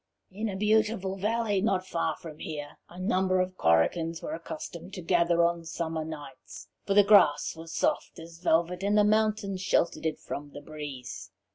"In a beautiful valley not far from here a number of Korrigans were accustomed to gather on summer nights, for the grass was soft as velvet, and the mountains sheltered it from the breeze.